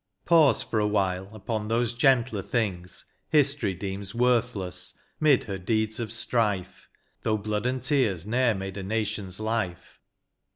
Pause for a while upon those gentler things History deems worthless 'mid her deeds of strife (Though hlood and tears ne'er made a nation's Hfe).